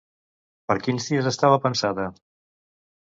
Per quins dies estava pensada?